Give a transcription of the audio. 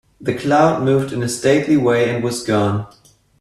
The cloud moved in a stately way and was gone.